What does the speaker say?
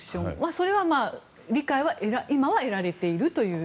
それは理解は今は得られているという。